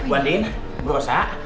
wan din berasa